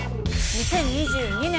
２０２２年